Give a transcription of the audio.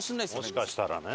もしかしたらね。